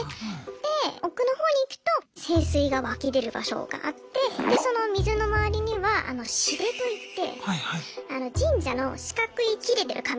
で奥の方に行くと聖水が湧き出る場所があってでその水の周りには紙垂といって神社の四角い切れてる紙。